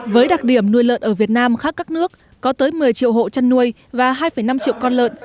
với đặc điểm nuôi lợn ở việt nam khác các nước có tới một mươi triệu hộ chăn nuôi và hai năm triệu con lợn